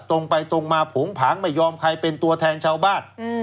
ตรงไปตรงมาผงผางไม่ยอมใครเป็นตัวแทนชาวบ้าน